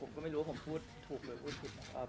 ก็ไม่รู้ว่าผมพูดถูกหรือพูดผิดนะครับ